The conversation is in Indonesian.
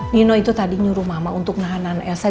nino itu tadi nyuruh mama untuk nahan anak elsa